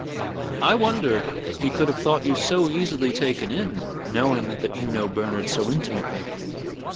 "I wonder he could have thought you so easily taken in, knowing that you knew Bernard so intimately."